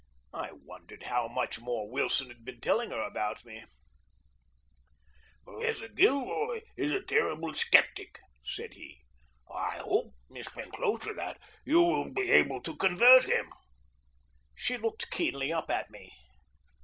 I wondered how much more Wilson had been telling her about me. "Professor Gilroy is a terrible sceptic," said he; "I hope, Miss Penclosa, that you will be able to convert him." She looked keenly up at me.